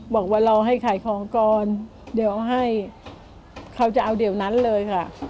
บอกว่าเราให้ขายของก่อนเดี๋ยวเอาให้เขาจะเอาเดี๋ยวนั้นเลยค่ะ